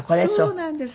そうなんです。